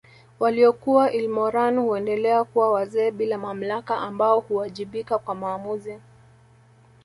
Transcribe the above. Waliokuwa ilmoran huendelea kuwa wazee bila mamlaka ambao huwajibika kwa maamuzi